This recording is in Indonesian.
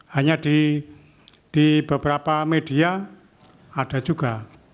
hanya di beberapa media ada juga